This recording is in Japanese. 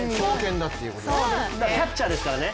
キャッチャーですからね。